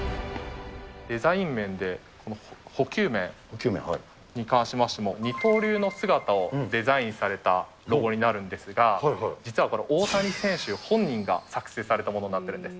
デザイン面で、捕球面に関しましても、二刀流の姿をデザインされたロゴになるんですが、実はこれ、大谷選手本人が作成されたものなんです。